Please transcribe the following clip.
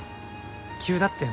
急だったよね。